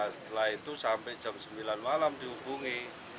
setelah itu sampai jam sembilan malam dihubungi